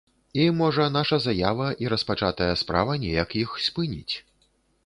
І, можа, наша заява і распачатая справа неяк іх спыніць.